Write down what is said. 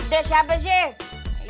itu siapa sih